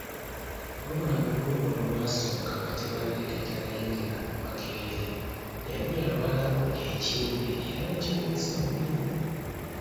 Wabula mu lummula olwasooka, nga Tebandeke tannayingira Makerere yali yalwalamu ekimbe era ne kimuyisa bubi nnyo.